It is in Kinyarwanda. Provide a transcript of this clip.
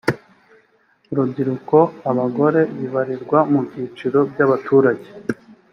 urubyiruko abagore bibarirwa mu byiciro by’ abaturage